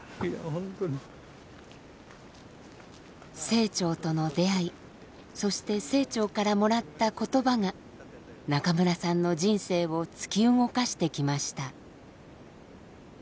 清張との出会いそして清張からもらった言葉が中村さんの人生を突き動かしてきました。